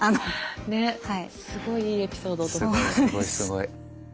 すごいすごい。